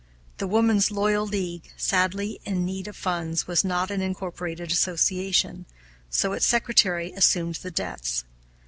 The Woman's Loyal League, sadly in need of funds, was not an incorporated association, so its secretary assumed the debts.